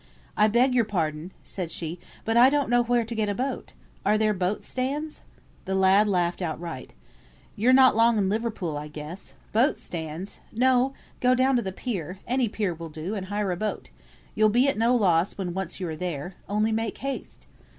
"I beg your pardon," said she, "but I don't know where to get a boat. Are there boat stands?" The lad laughed outright. "You're not long in Liverpool, I guess. Boat stands! No; go down to the pier, any pier will do, and hire a boat, you'll be at no loss when once you are there. Only make haste."